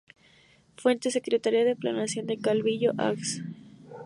Fuente: Secretaría de Planeación de Calvillo, Ags.